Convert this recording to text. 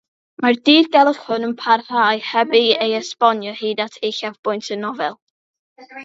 Mae'r dirgelwch hwn yn parhau heb ei esbonio hyd at uchafbwynt y nofel.